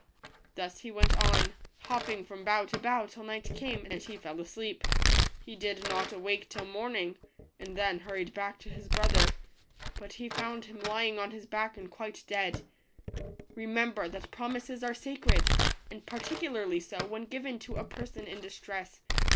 Thus he went on, hopping from bough to bough, till night came, and he fell asleep. He did not awake till morning, and then hurried back to his brother; but he found him lying on his back and quite dead. Remember that promises are sacred ; and par ticularly so when given to a person in distress.